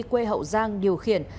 quê hậu giang điều khiển